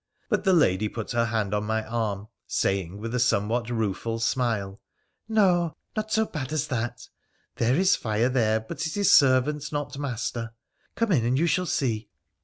But the lady put her hand upon my arm, saying with a somewhat rueful smile, ' No, not so bad as that — there is fire there, but it is servant not master. Come in and you shall see.'